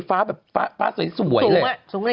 ฟ้าแบบฟ้าสวยเลย